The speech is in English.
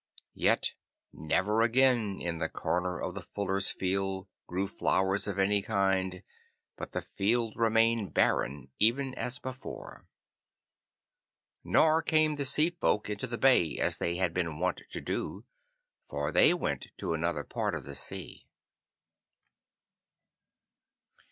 Yet never again in the corner of the Fullers' Field grew flowers of any kind, but the field remained barren even as before. Nor came the Sea folk into the bay as they had been wont to do, for they went to another part of the sea.